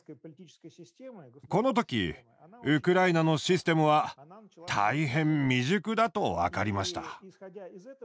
この時ウクライナのシステムは大変未熟だと分かりました。